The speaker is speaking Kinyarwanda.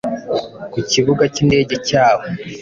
ku kibuga cy'indege cyaho